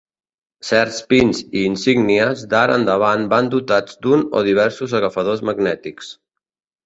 Certs pins i insígnies d'ara endavant van dotats d'un o diversos agafadors magnètics.